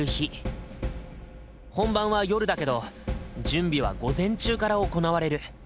本番は夜だけど準備は午前中から行われる。